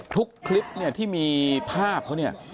ทุกคลิปที่มีภาพเนี่ย